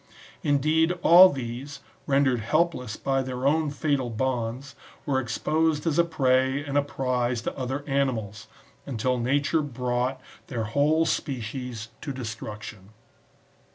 Indeed all these, rendered helpless by their own fatal bonds, were exposed as a prey and a prize to other animals^ until nature brought their whole species to destruction.